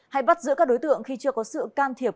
hay bắt giữ các đối tượng khi chưa có sự can thiệp